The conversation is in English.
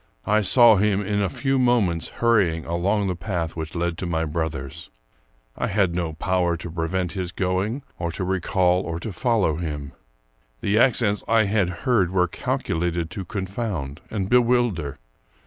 I saw him in a few moments hurrying along the path which led to my brother's. I had no power to prevent his going, or to recall or to follow him. The accents I had heard were cal culated to confound and bewilder.